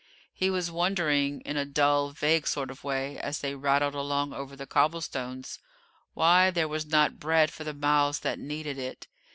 He was wondering in a dull, vague sort of way, as they rattled along over the cobblestones, why there was not bread for the mouths that needed it.